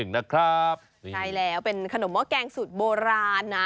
๐๘๑๒๘๔๕๒๗๑นะครับใช่แล้วเป็นขนมหม้อแกงสูตรโบราณนะ